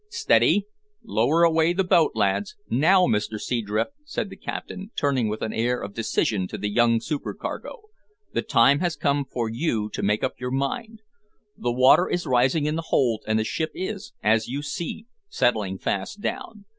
"Steady! Lower away the boat, lads. Now, Mr Seadrift," said the captain, turning with an air of decision to the young supercargo, "the time has come for you to make up your mind. The water is rising in the hold, and the ship is, as you see, settling fast down.